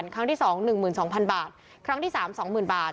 ครั้งที่๒๑๒๐๐๐บาทครั้งที่๓๒๐๐๐บาท